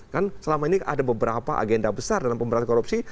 kan selama ini ada beberapa agenda besar dalam pemberantasan korupsi